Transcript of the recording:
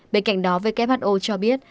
bên cạnh đó who cho biết